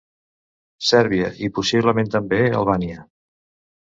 Sèrbia i, possiblement també, Albània.